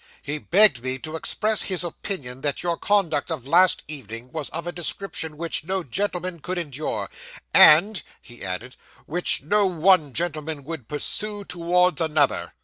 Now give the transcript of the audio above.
He begged me to express his opinion that your conduct of last evening was of a description which no gentleman could endure; and' (he added) 'which no one gentleman would pursue towards another.